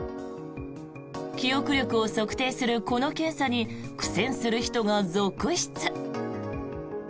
記憶力を測定するこの検査に苦戦する人が続出。